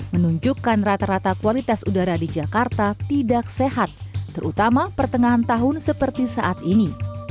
menunjukkan rata rata kualitas udara di jakarta tidak sehat terutama pertengahan tahun seperti saat ini